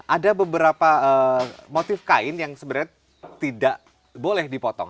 ada beberapa motif kain yang sebenarnya tidak boleh dipotong